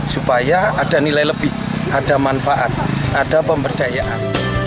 supaya ada nilai lebih ada manfaat ada pemberdayaan